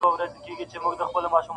عدالت بايد رامنځته سي ژر,